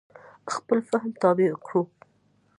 خپل فهم تابع کړو.